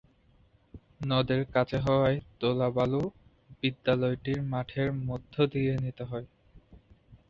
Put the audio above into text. নদের কাছে হওয়ায় তোলা বালু বিদ্যালয়টির মাঠের মধ্য দিয়ে নিতে হয়।